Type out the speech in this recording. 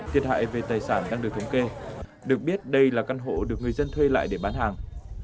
thiệt hại về tài sản đang được thống kê được biết đây là căn hộ được người dân thuê lại để bán hàng